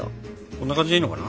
こんな感じでいいのかな。